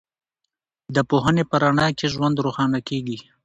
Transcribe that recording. د پوهنې په رڼا کې ژوند روښانه کېږي.